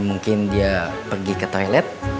mungkin dia pergi ke toilet